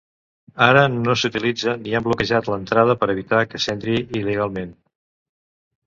Ara no s'utilitzen i han bloquejat l'entrada per evitar que s'entri il·legalment.